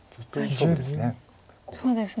そうですね